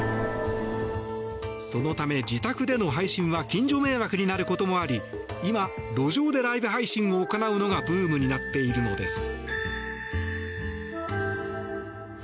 そのため、自宅での配信は近所迷惑になることもあり今、路上でライブ配信を行うのがブームになっているのです。